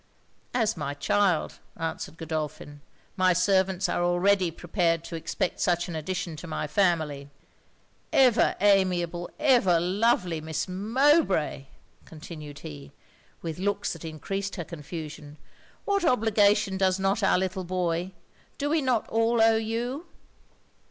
'As my child,' answered Godolphin. 'My servants are already prepared to expect such an addition to my family. Ever amiable, ever lovely Miss Mowbray!' continued he, with looks that encreased her confusion 'what obligation does not our little boy do we not all owe you?'